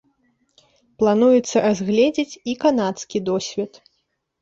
Плануецца разгледзець і канадскі досвед.